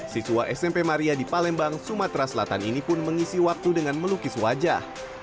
siswa smp maria di palembang sumatera selatan ini pun mengisi waktu dengan melukis wajah